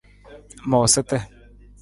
Moosata.